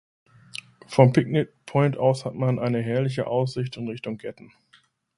Vom Picnic Point aus hat man eine herrliche Aussicht in Richtung Gatton.